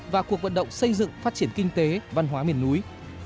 và cuộc vận động xây dựng phát triển kinh tế văn hóa miền núi